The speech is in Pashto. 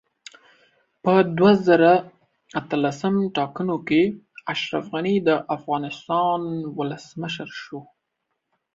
په دوه زره اتلسم ټاکنو کې اشرف غني دا افغانستان اولسمشر شو